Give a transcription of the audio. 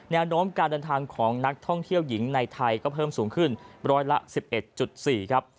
แนวโน้มการเดินทางของนักท่องเที่ยวหญิงในไทยก็เพิ่มสูงขึ้นร้อยละ๑๑๔ครับ